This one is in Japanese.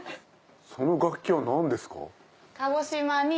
その楽器は何ですか？